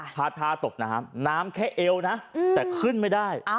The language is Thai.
พาทาตกน้ำน้ำแค่เอวนะแต่ขึ้นไม่ได้